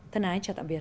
thân ái chào tạm biệt